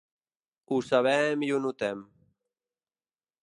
Ho sabem i ho notem.